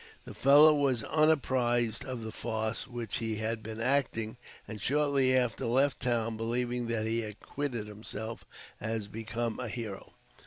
The fellow was unapprised of the farce which he had been acting; and, shortly after, left the town, believing that he had acquitted himself as became a hero.